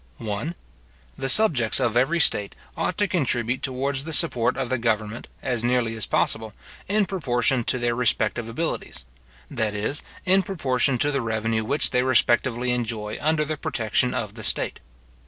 1. The subjects of every state ought to contribute towards the support of the government, as nearly as possible, in proportion to their respective abilities; that is, in proportion to the revenue which they respectively enjoy under the protection of the state.